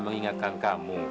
cuma mengingatkan kamu